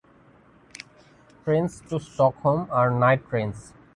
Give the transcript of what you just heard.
Trains to Stockholm are night trains.